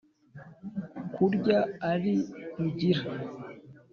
kurya ari rugira,